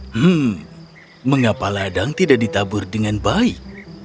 hmm mengapa ladang tidak ditabur dengan baik